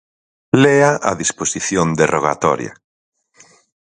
Lea a disposición derrogatoria.